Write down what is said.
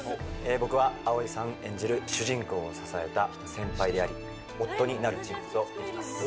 僕は葵さん演じる主人公を支えた先輩であり夫になる人物を演じます。